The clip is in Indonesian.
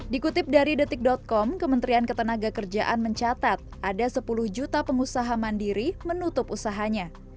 dikutip dari detik com kementerian ketenaga kerjaan mencatat ada sepuluh juta pengusaha mandiri menutup usahanya